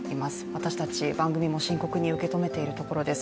私たち番組も深刻に受け止めているところです